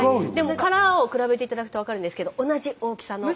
殻を比べて頂くと分かるんですけど同じ大きさの。